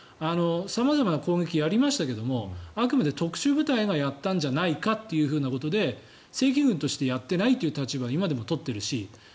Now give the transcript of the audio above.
様々な攻撃をやりましたけどもあくまで特殊部隊がやったんじゃないかっていうことで正規軍としてやってないという立場を今でも取っているし